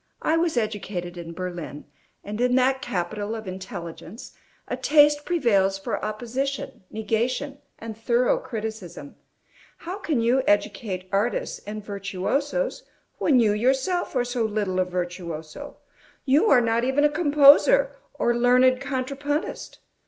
I was educated in Berlin, and in that capital of intelligence a taste prevails for opposition, negation, and thorough criticism. How can you educate artists and virtuosos, when you yourself are so little a virtuoso? You are not even a composer or learned contrapuntist.